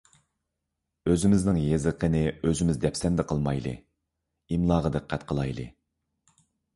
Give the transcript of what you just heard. ئۆزىمىزنىڭ يېزىقىنى ئۆزىمىز دەپسەندە قىلمايلى! ئىملاغا دىققەت قىلايلى!